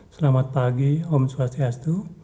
selamat pagi om swastiastu